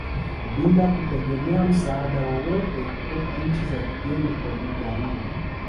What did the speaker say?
Bila kutegemea msaada wowote kutoka nchi za kigeni kwa muda huo